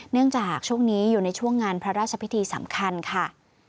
จากช่วงนี้อยู่ในช่วงงานพระราชพิธีสำคัญค่ะ